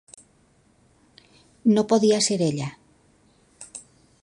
No podia ser ella.